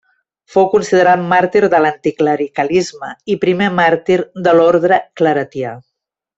Fou considerat màrtir de l'anticlericalisme i primer màrtir de l'orde claretià.